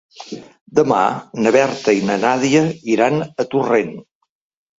Demà na Berta i na Nàdia iran a Torrent.